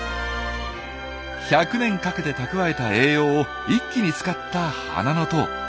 １００年かけて蓄えた栄養を一気に使った花の塔。